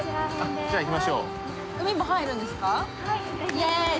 じゃあ、いきましょう。